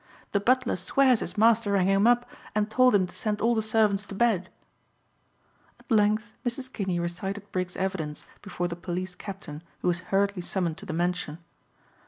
The butler swears his master rang him up and told him to send all the servants to bed." At length Mrs. Kinney recited Briggs's evidence before the police captain who was hurriedly summoned to the mansion.